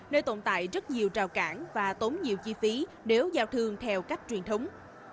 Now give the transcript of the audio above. nơi tồn tại rất nhiều rào cản và tốn nhiều chi phí nếu giao thương theo cách truyền thống